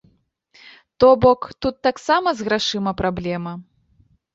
То бок, тут таксама з грашыма праблема.